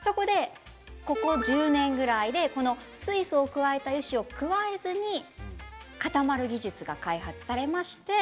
ここ１０年くらいで水素を加えた油脂を加えずに固まる技術が開発されました。